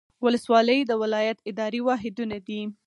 ولسوالۍ د ولایت اداري واحدونه دي